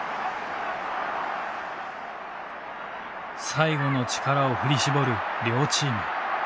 最後の力を振り絞る両チーム。